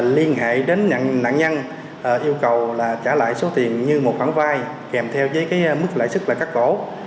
liên hệ đến nạn nhân yêu cầu trả lại số tiền như một khoản vai kèm theo với mức lợi sức là các cổ